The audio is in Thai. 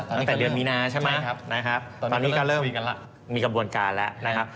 ตั้งแต่เดือนมีนาใช่ไหมนะครับตอนนี้ก็เริ่มมีกระบวนการแล้วนะครับ